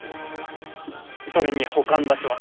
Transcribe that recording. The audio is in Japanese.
それに保管場所は？